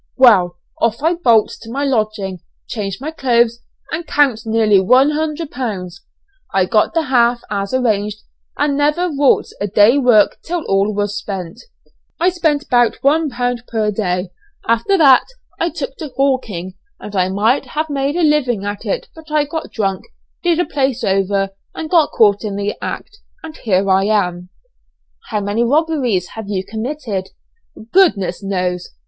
Well, off I bolts to my lodging, changed my clothes, and counts nearly one hundred pounds. I got the half, as arranged, and never wrought a day's work till all was spent I spent about one pound per day. After that I took to hawking, and I might have made a living at it but I got drunk, did a place over, and got caught in the act, and here I am." "How many robberies may you have committed?" "Goodness knows!